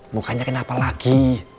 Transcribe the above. mukanya kenapa lagi